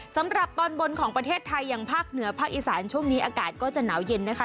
สำหรับตอนบนของประเทศไทยอย่างภาคเหนือภาคอีสานช่วงนี้อากาศก็จะหนาวเย็นนะคะ